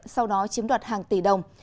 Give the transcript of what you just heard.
sau đó chiếm đoạt hàng tỷ đồng